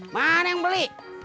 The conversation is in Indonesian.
mana yang beli